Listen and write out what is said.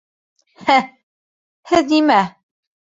— Һе, һеҙ нимә?